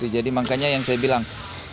jadi makanya yang saya bilang